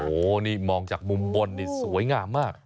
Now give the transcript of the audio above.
โอ้โหนี่มองจากมุมบนนี่สวยงามมาก